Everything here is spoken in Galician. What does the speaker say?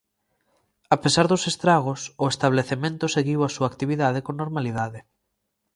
A pesar dos estragos, o establecemento seguiu a súa actividade con normalidade.